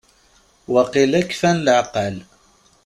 Waqila kfan lɛeqqal.